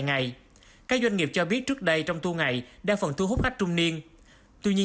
ngày các doanh nghiệp cho biết trước đây trong tu ngày đang phần thu hút khách trung niên tuy nhiên